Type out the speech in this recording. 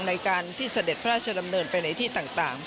ในการที่เสด็จพระราชดำเนินไปในที่ต่าง